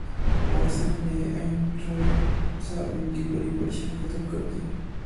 what's app نے Android صارفین کی بڑی پریشانی ختم کردی